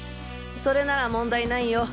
それなら問題ないよ。